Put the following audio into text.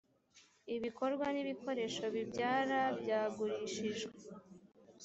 ibikorwa n ibikoresho bibyara byagurishijwe.